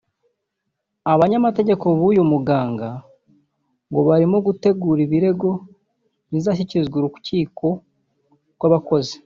Abanyamategeko b’uyu muganga ngo barimo gutegura ibirego bizashyikirizwa urukiko rw’abakozi